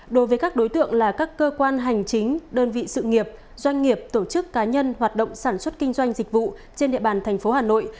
đối với các đối tượng là các cơ quan hành chính đơn vị sự nghiệp doanh nghiệp tổ chức cá nhân hoạt động sản xuất kinh doanh dịch vụ trên địa bàn thành phố hà nội